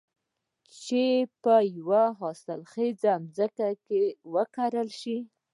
چې په يوه حاصل خېزه ځمکه کې وکرل شي.